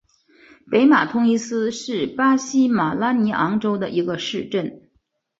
北马通伊斯是巴西马拉尼昂州的一个市镇。